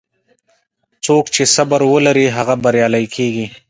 څوک چې صبر ولري، هغه بریالی کېږي.